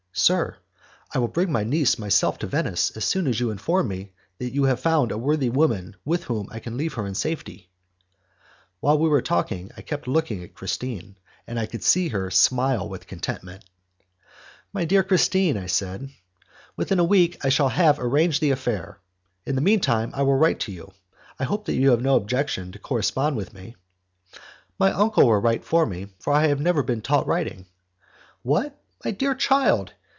"Sir, I will bring my niece myself to Venice as soon as you inform me that you have found a worthy woman with whom I can leave her in safety." While we were talking I kept looking at Christine, and I could see her smile with contentment. "My dear Christine," I said, "within a week I shall have arranged the affair. In the meantime, I will write to you. I hope that you have no objection to correspond with me." "My uncle will write for me, for I have never been taught writing." "What, my dear child!